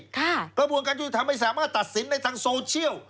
กระบวนการยุติธรรมไม่สามารถตัดสินในทางโซเชียล